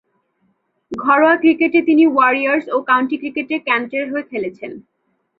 ঘরোয়া ক্রিকেটে তিনি ওয়ারিয়র্স ও কাউন্টি ক্রিকেটে কেন্টের হয়ে খেলছেন।